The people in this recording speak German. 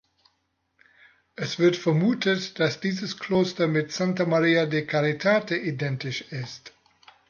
Es wird vermutet, dass dieses Kloster mit Santa Maria de Caritate identisch ist.